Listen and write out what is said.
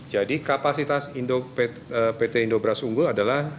jadi kapasitas pt indobras unggul adalah